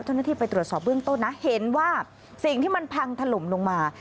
เจ้าหน้าที่ไปตรวจสอบเบื้องต้นนะเห็นว่าสิ่งที่มันพังถล่มลงมา